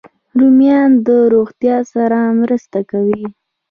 رومیان د روغتیا سره مرسته کوي